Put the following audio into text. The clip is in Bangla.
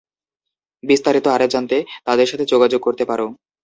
বিস্তারিত আরো জানতে তাদের সাথে যোগাযোগ করতে পার।